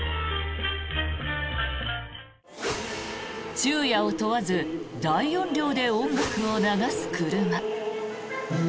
昼夜を問わず大音量で音楽を流す車。